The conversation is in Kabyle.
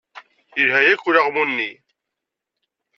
Yelha-yak ulaɣmu-nni.